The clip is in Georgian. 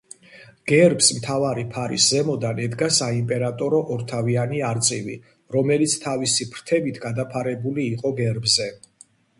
გერბს, მთავარი ფარის ზემოდან ედგა საიმპერატორო ორთავიანი არწივი, რომელიც თავისი ფრთებით გადაფარებული იყო გერბზე.